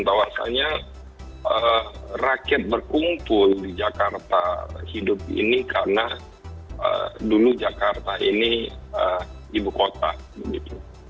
bahwasanya rakyat berkumpul di jakarta hidup ini karena dulu jakarta ini ibu kota begitu